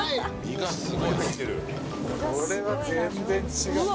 これは全然違う。